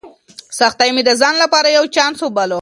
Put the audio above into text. سختۍ مې د ځان لپاره یو چانس وباله.